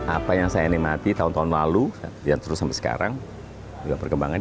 apa yang saya animati tahun tahun lalu dan terus sampai sekarang juga perkembangan